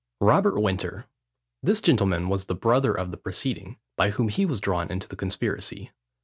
ROBERT WINTER. This gentleman was the brother of the preceding, by whom he was drawn into the conspiracy.